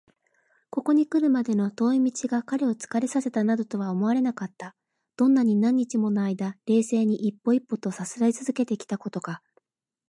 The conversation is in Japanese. ここにくるまでの遠い道が彼を疲れさせたなどとは思われなかった。どんなに何日ものあいだ、冷静に一歩一歩とさすらいつづけてきたことか！